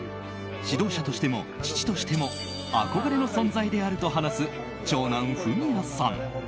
指導者としても、父としても憧れの存在であると話す長男・文哉さん。